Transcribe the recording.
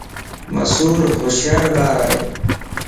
مصور ھوشيار ٻارائي